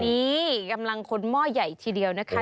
นี่กำลังคนหม้อใหญ่ทีเดียวนะคะ